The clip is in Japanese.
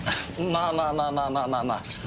まあまあまあまあまあまあまあ。